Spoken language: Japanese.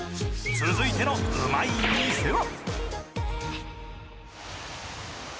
続いてのうまい店は？